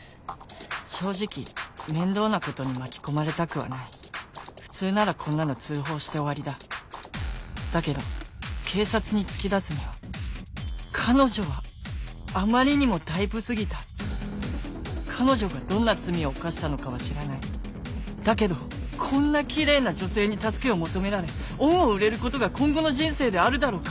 正直面倒なことに巻き込まれたくはない普通ならこんなの通報して終わりだだけど警察に突き出すには彼女はあまりにもタイプ過ぎた彼女がどんな罪を犯したのかは知らないだけどこんなキレイな女性に助けを求められ恩を売れることが今後の人生であるだろうか？